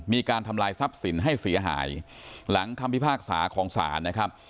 มีการทำลายทรัพย์สินให้เสียหายหลังคำพิพากษาของศาลนะครับ